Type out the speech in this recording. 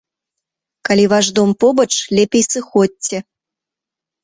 Калі ваш дом побач, лепей сыходзьце.